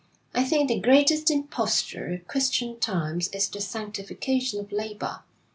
I think the greatest imposture of Christian times is the sanctification of labour.